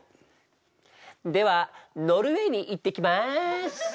ではノルウェーに行ってきます！